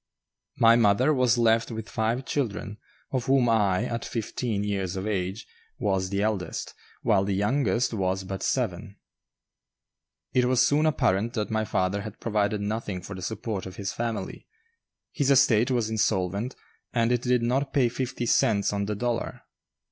My mother was left with five children, of whom I, at fifteen years of age, was the eldest, while the youngest was but seven. It was soon apparent that my father had provided nothing for the support of his family; his estate was insolvent, and it did not pay fifty cents on the dollar.